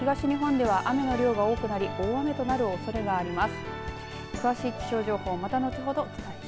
特に西日本から東日本では雨の量が多くなり大雨となるおそれがあります。